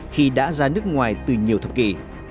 khi đã ra nước ngoài từ nhiều thập kỷ